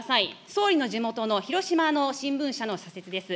総理の地元の広島の新聞社の社説です。